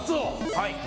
はい。